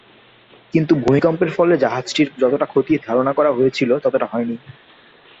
কিন্তু ভূমিকম্পের ফলে জাহাজটির যতটা ক্ষতি ধারণা করা হয়েছিলো, ততটা ক্ষতি হয়নি।